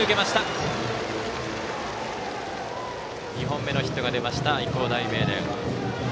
２本目のヒットが出ました愛工大名電。